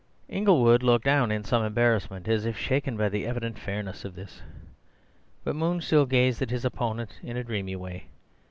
Inglewood looked down in some embarrassment, as if shaken by the evident fairness of this, but Moon still gazed at his opponent in a dreamy way.